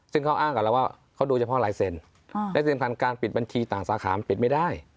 ซึ่งเขาอ้างกับเราว่าเขาดูเฉพาะลายเซ็นต์และที่สำคัญการปิดบัญชีต่างสาขามันปิดไม่ได้